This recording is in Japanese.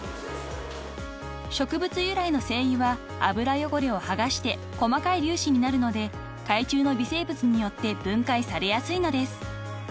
［植物由来の精油は油汚れを剥がして細かい粒子になるので海中の微生物によって分解されやすいのです］